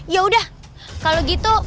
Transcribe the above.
yaudah kalau gitu